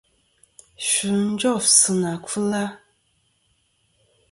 Sfɨ jof sɨ nà kfɨla.